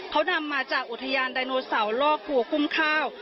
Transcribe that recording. เขานำมาจากอุทยานไดโนเสาร์ล่อครัวอุ้มข้าว